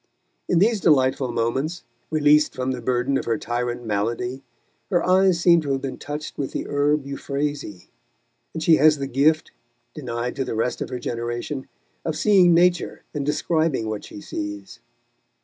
In these delightful moments, released from the burden of her tyrant malady, her eyes seem to have been touched with the herb euphrasy, and she has the gift, denied to the rest of her generation, of seeing nature and describing what she sees.